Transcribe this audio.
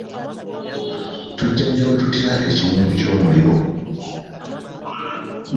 Tujjanjaba tutya ekiwundu ky'omuliro?